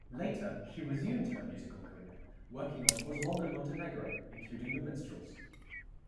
Later, she resumed her musical career working on Oswaldo Montenegro, including The Minstrels.